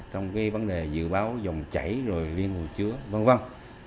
trong cái vấn đề dự báo dòng chảy rồi liên hồ chứa vân vân